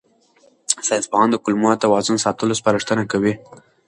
ساینسپوهان د کولمو توازن ساتلو سپارښتنه کوي.